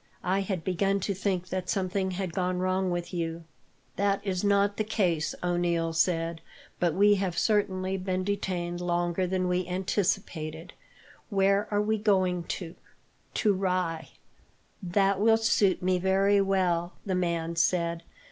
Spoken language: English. "I had begun to think that something had gone wrong with you." "That is not the case," O'Neil said; "but we have certainly been detained longer than we anticipated." "Where are we going to?" "To Rye." "That will suit me very well," the man said.